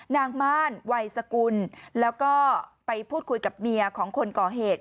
ม่านวัยสกุลแล้วก็ไปพูดคุยกับเมียของคนก่อเหตุ